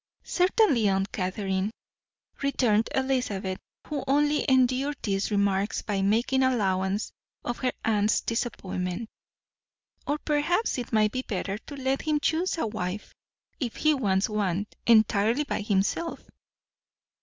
"Certainly, Aunt Catherine," returned Elizabeth, who only endured these remarks by making allowance for her aunt's disappointment. "Or perhaps it might be better to let him choose a wife, if he wants one, entirely by himself."